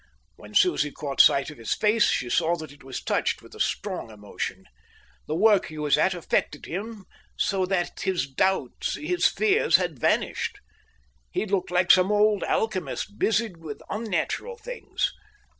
When Susie caught sight of his face, she saw that it was touched with a strong emotion. The work he was at affected him so that his doubts, his fears, had vanished. He looked like some old alchemist busied with unnatural things.